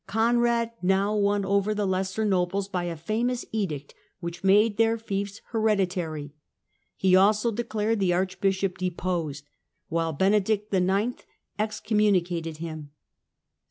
Conrad now won over the lesser nobles by a famous edict, which made their fiefs hereditary : he also declared the Arch bishop deposed, while Benedict IX. excommunicated him.